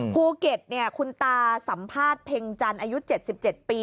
ภูเก็ตคุณตาสัมภาษณ์เพ็งจันทร์อายุ๗๗ปี